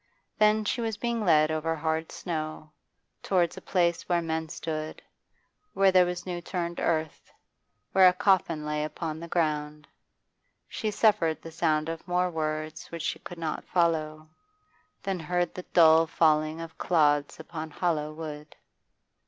Then she was being led over hard snow, towards a place where men stood, where there was new turned earth, where a coffin lay upon the ground. She suffered the sound of more words which she could not follow, then heard the dull falling of clods upon hollow wood.